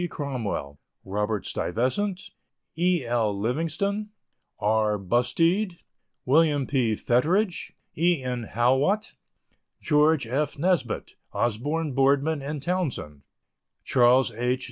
Cromwell, Robert Stuyvesant, E. L. Livingston, R. Busteed, Wm. P. Fettridge, E. N. Haughwout, Geo. F. Nesbitt, Osborne, Boardman & Townsend, Charles H.